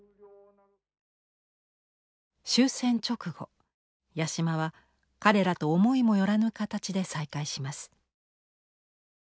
終戦直後八島は彼らと思いもよらぬ形で再会します。